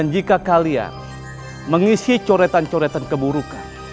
jika kalian mengisi coretan coretan keburukan